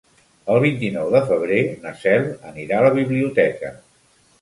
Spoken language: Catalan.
El vint-i-nou de febrer na Cel anirà a la biblioteca.